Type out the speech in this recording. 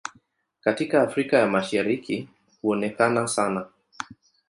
Katika Afrika ya Mashariki huonekana sana.